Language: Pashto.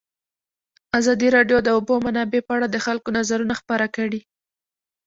ازادي راډیو د د اوبو منابع په اړه د خلکو نظرونه خپاره کړي.